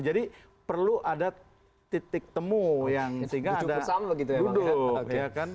jadi perlu ada titik temu yang sehingga ada duduk